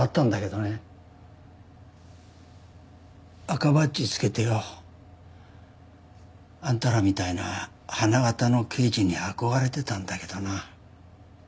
赤バッジつけてよあんたらみたいな花形の刑事に憧れてたんだけどな。